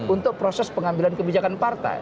untuk proses pengambilan kebijakan partai